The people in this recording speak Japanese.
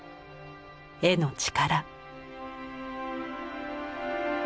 絵の力。